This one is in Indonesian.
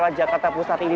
di kawasan jakarta pusat ini